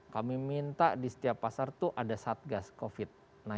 kami minta di setiap pasar itu ada satgas covid sembilan belas